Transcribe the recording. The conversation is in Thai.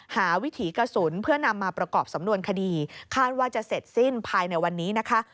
วิถีกระสุนเพื่อนำมาประกอบสำนวนคดีคาดว่าจะเสร็จสิ้นภายในวันนี้นะคะ